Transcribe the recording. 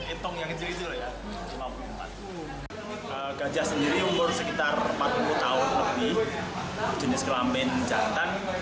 gajah sendiri umur sekitar empat puluh tahun lebih jenis kelamin jantan